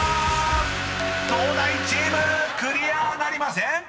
［東大チームクリアなりません！］